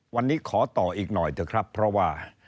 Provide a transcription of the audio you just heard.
วันนี้ขอต่ออีกหน่อยเถอะครับเพราะว่า